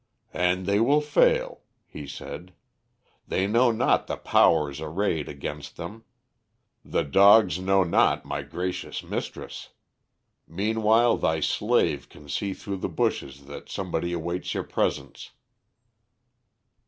"And they will fail," he said. "They know not the powers arrayed against them; the dogs know not my gracious mistress. Meanwhile thy slave can see through the bushes that somebody awaits your presence."